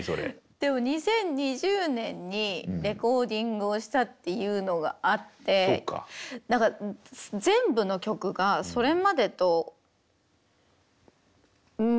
でも２０２０年にレコーディングをしたっていうのがあってだから全部の曲がそれまでと見え方が違ったんですよ。